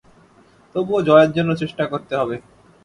তবুও জয়ের জন্য চেষ্টা করতে হবে।